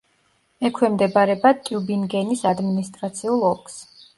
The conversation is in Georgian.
ექვემდებარება ტიუბინგენის ადმინისტრაციულ ოლქს.